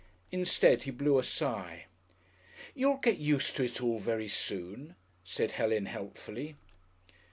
Instead he blew a sigh. "You'll get used to it all very soon," said Helen helpfully....